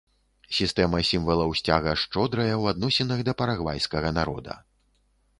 Сістэма сімвалаў сцяга шчодрая ў адносінах да парагвайскага народа.